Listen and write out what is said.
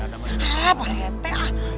hah pak rete